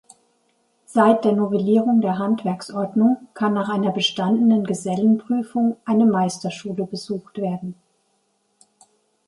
Seit der Novellierung der Handwerksordnung kann nach einer bestandenen Gesellenprüfung eine Meisterschule besucht werden.